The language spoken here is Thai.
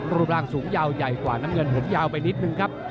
รูปร่างสูงยาวใหญ่กว่าน้ำเงินผมยาวไปนิดนึงครับ